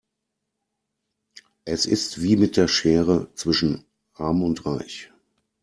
Es ist wie mit der Schere zwischen arm und reich.